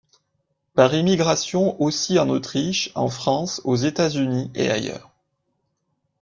Par immigration aussi en Autriche, en France, aux États-Unis et ailleurs.